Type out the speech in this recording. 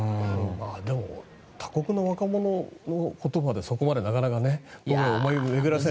でも他国の若者のことまでそこまでなかなか思いを巡らせる。